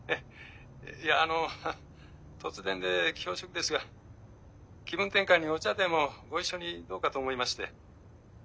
いやあの突然で恐縮ですが気分転換にお茶でもご一緒にどうかと思いまして。